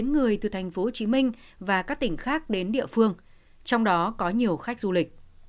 những người từ thành phố hồ chí minh và các tỉnh khác đến địa phương trong đó có nhiều khách du lịch